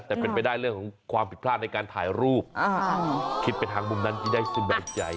แต่เป็นไปได้เรื่องของความผิดพลาดในการถ่ายรูปคิดไปทางมุมนั้นที่ได้สบายใจ